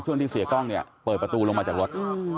ช่วงที่เสียกล้องเปิดประตูลงมาจากรถ